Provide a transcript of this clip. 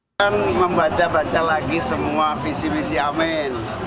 kita akan membaca baca lagi semua visi visi amen